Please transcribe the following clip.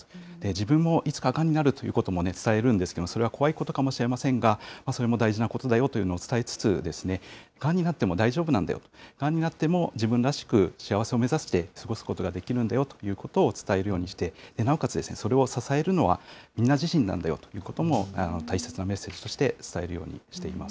自分もいつかがんになるということも伝えるんですけれども、それは怖いことかもしれませんが、それも大事なことだよというのを伝えつつ、がんになっても大丈夫なんだよ、がんになっても自分らしく幸せを目指して過ごすことができるんだよということを伝えるようにして、なおかつ、それを支えるのはみんな自身なんだよということも大切なメッセージとして伝えるようにしています。